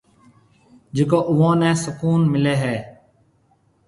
جڪي اوئون نيَ سُڪون مليَ هيَ